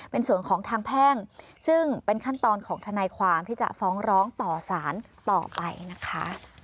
เป็นส่วนของทางแพ่งซึ่งเป็นขั้นตอนของทนายความที่จะฟ้องร้องต่อสารต่อไปนะคะ